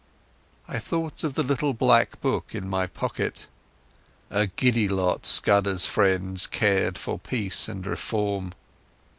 I thought of the little black book in my pocket! A giddy lot Scudder's friends cared for peace and reform.